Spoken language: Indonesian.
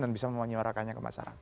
dan bisa menyuarakannya ke masyarakat